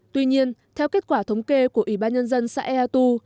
tuy nhiên theo kết quả thống kê của ủy ban nhân dân xã ea tu